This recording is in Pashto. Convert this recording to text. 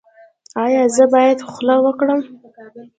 ایا زه باید خوله وکړم؟